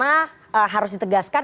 dan istana harus ditegaskan